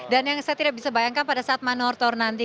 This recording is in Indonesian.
dan yang saya tidak bisa bayangkan pada saat menortor nanti